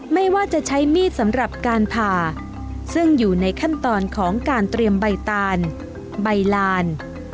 ไม่ว่าจะใช้มีดสำหรับการผ่าซึ่งอยู่ในขั้นตอนของการเตรียมใบตาลใบลาน